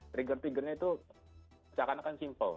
trigger triggernya itu seakan akan simple